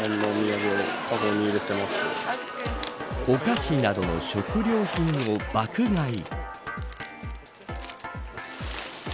お菓子などの食料品を爆買い。